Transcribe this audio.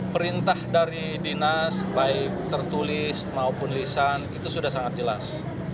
perintah dari dinas baik tertulis maupun lisan itu sudah sangat jelas